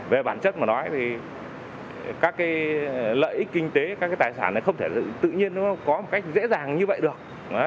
về bản chất mà nói thì các cái lợi ích kinh tế các cái tài sản này không thể tự nhiên nó có một cách dễ dàng như vậy được